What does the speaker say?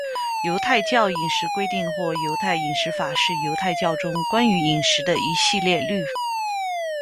犹太教饮食规定或犹太饮食法是犹太教中关于饮食的一系列律。